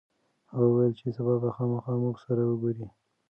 هغه وویل چې سبا به خامخا موږ سره وګوري.